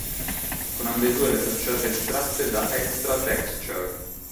Con ambedue le facciate estratte da "Extra Texture".